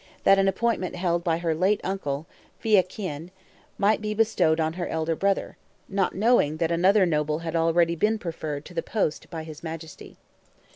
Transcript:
] that an appointment held by her late uncle, Phya Khien, might be bestowed on her elder brother, not knowing that another noble had already been preferred to the post by his Majesty.